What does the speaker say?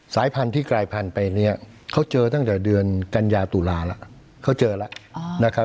สายพันธุ์ที่กลายพันธุ์ไปเนี่ยเขาเจอตั้งแต่เดือนกันยาตุลาแล้วเขาเจอแล้วนะครับ